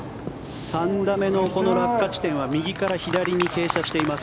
３打目の落下地点は右から左に傾斜しています。